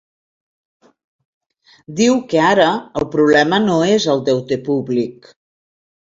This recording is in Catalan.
Diu que ara el problema no és el deute públic.